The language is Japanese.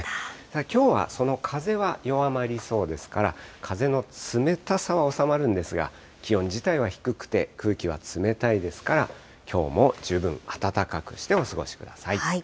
きょうはその風は弱まりそうですから、風の冷たさは収まるんですが、気温自体は低くて、空気は冷たいですから、きょうも十分、暖かくしてお過ごしください。